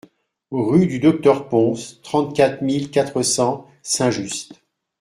Rue du Docteur Pons, trente-quatre mille quatre cents Saint-Just